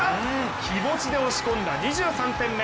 気持ちで押し込んだ２３点目。